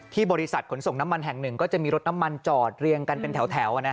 บริษัทขนส่งน้ำมันแห่งหนึ่งก็จะมีรถน้ำมันจอดเรียงกันเป็นแถว